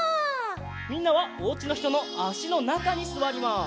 みんなはおうちのひとのあしのなかにすわります。